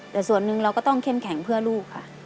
แต่ส่วนหนึ่งเราก็ต้องเข้มแข็งเพื่อลูกค่ะ